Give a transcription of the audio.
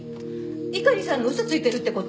猪狩さんが嘘ついてるって事？